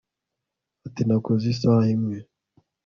ati nakoze isaha imwe